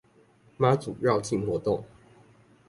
媽祖繞境活動